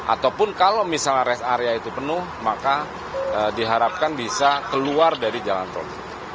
ataupun kalau misalnya rest area itu penuh maka diharapkan bisa keluar dari jalan tol